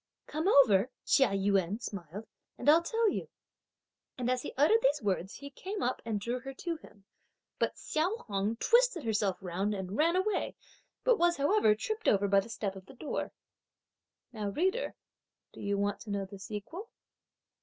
"Come over," Chia Yün smiled, "and I'll tell you!" And as he uttered these words, he came up and drew her to him; but Hsiao Hung twisted herself round and ran away; but was however tripped over by the step of the door. Now, reader, do you want to know the sequel?